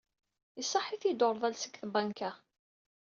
Iṣaḥ-it-id ureḍḍal seg tbanka.